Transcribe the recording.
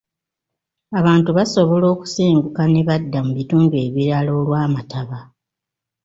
Abantu basobola okusenguka ne badda mu bitundu ebirala olw'amataba.